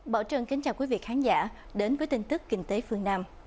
bảo trân kính chào quý vị khán giả đến với tin tức kinh tế phương nam